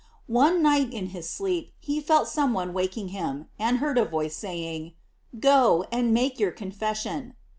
One night in his sleep he felt some one waking him, and heard a voice saying: Go and make your confession.